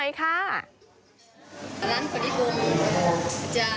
ร้านกริบมจะขึ้นชื่อเรื่องโรตีนะคะ